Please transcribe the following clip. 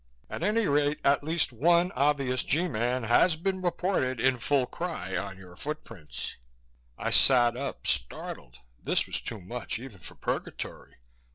At any rate, at least one obvious G man has been reported in full cry on your foot prints." I sat up, startled. This was too much, even for purgatory.